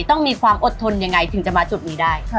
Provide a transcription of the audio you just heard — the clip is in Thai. ต้องมีความอดทนยังไงถึงจะมาจุดนี้ได้